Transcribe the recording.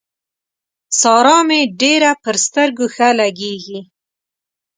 سارا مې ډېره پر سترګو ښه لګېږي.